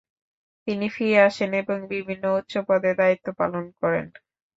তিনি ফিরে আসেন এবং বিভিন্ন উচ্চপদে দায়িত্ব পালন করেন।